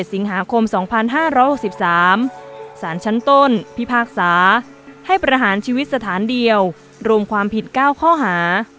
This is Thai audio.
สิงหาคม๒๕๖๓สารชั้นต้นพิพากษาให้ประหารชีวิตสถานเดียวรวมความผิด๙ข้อหา